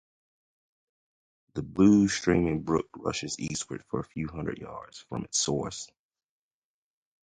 The blue, steaming brook rushes eastward for a few hundred yards from its source.